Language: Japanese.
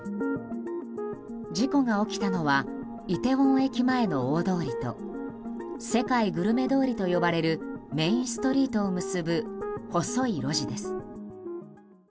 事故が起きたのはイテウォン駅前の大通りと世界グルメ通りと呼ばれるメインストリートを結ぶ細い路地です。